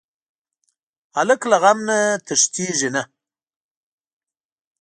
هلک له غم نه تښتېږي نه.